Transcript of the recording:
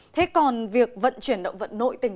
thế còn việc vận chuyển động vật nội tình thì sao ạ